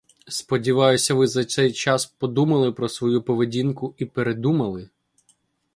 Сподіваюся, ви за цей час подумали про свою поведінку і передумали?